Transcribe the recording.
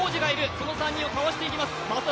その３人をかわしていきます。